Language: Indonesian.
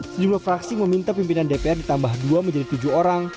sejumlah fraksi meminta pimpinan dpr ditambah dua menjadi tujuh orang